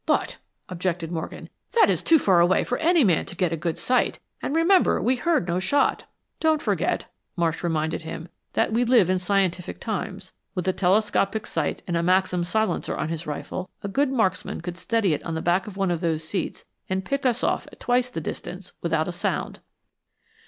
"But," objected Morgan, "that is too far away for any man to get a good sight; and remember, we heard no shot." "Don't forget," Marsh reminded him, "that we live in scientific times. With a telescopic sight, and a Maxim Silencer on his rifle, a good marksman could steady it on the back of one of those seats and pick us off at twice the distance without a sound."